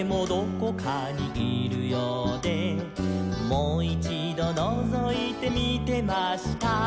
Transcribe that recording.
「もいちどのぞいてみてました」